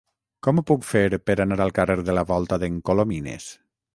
Com ho puc fer per anar al carrer de la Volta d'en Colomines?